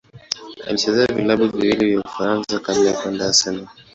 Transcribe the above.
Alichezea vilabu viwili vya Ufaransa kabla ya kwenda Arsenal.